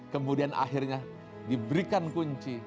kemudian akhirnya diberikan kunci